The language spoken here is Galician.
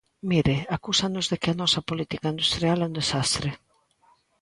Mire, acúsanos de que a nosa política industrial é un desastre.